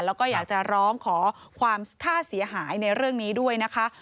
แล้วก็อยากจะร้องขอความค่าเสียหายในเรื่องนี้ด้วยนะคะ